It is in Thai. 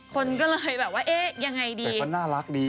คนก็เลยแบบว่ายังไงดีแต่เขาน่ารักดี